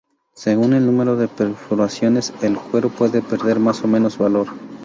Según el número de perforaciones, el cuero puede perder más o menos valor.